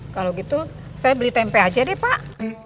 kalau gitu saya beli tempe aja deh pak